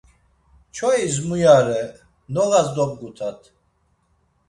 Çois muya re, noğas dobgutat.